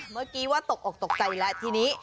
เมื่อกี้ว่าตกออกตกใจแล้วทีนี้